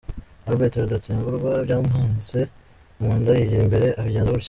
Albert Rudatsimburwa byamwanze mu nda yigira imbere abigenza gutya.